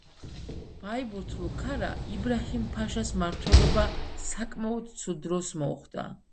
ბაიბურთლუ ქარა იბრაჰიმ-ფაშას მმართველობა საკმაოდ ცუდ დროს მოუხდა.